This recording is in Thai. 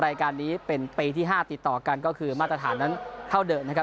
รายการนี้เป็นปีที่๕ติดต่อกันก็คือมาตรฐานนั้นเท่าเดิมนะครับ